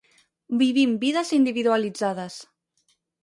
Vivim vides individualitzades.